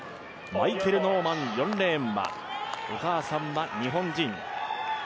マイケル・ノーマン、４レーンはお母さんは日本人。